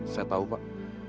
saya tahu pak